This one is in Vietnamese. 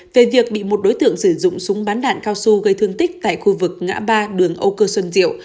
về việc bị một đối tượng sử dụng súng bắn đạn cao su gây thương tích tại khu vực ngã ba đường âu cơ xuân diệu